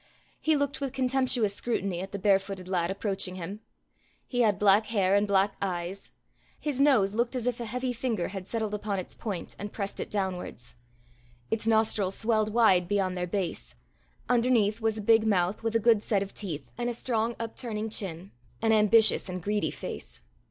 He looked with contemptuous scrutiny at the bare footed lad approaching him. He had black hair and black eyes; his nose looked as if a heavy finger had settled upon its point, and pressed it downwards: its nostrils swelled wide beyond their base; underneath was a big mouth with a good set of teeth, and a strong upturning chin an ambitious and greedy face.